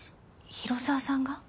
広沢さんが？